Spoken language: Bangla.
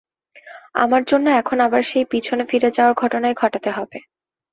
আমার জন্য এখন আবার সেই পেছনে ফিরে যাওয়ার ঘটনাই ঘটাতে হবে।